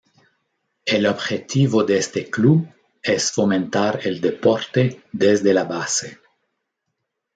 El objetivo de este club es fomentar el deporte desde la base.